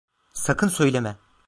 Sakın söyleme.